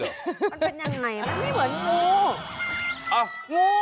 มันเป็นยังไงมันไม่เหมือนงู